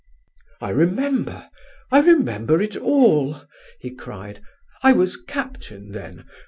"I remember—I remember it all!" he cried. "I was captain then.